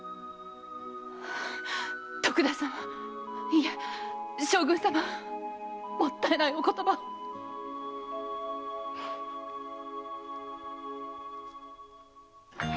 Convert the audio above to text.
徳田様いえ将軍様もったいないお言葉を。よ！